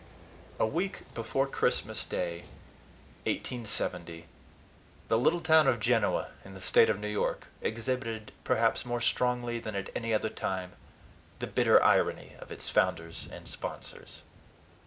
A week before Christmas Day, 1870, the little town of Genoa, in the State of New York, exhibited, perhaps more strongly than at any other time, the bitter irony of its founders and sponsors.